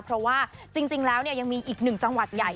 เพราะว่าจริงแล้วยังมีอีกหนึ่งจังหวัดใหญ่